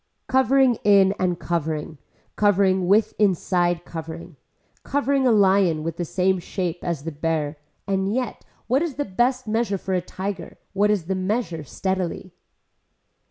Covering in and covering, covering with inside covering. Covering a lion with the same shape as the bear and yet what is the best measure for a tiger, what is the measure steadily.